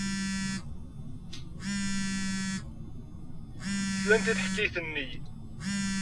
Slant i teḥkayt-nni.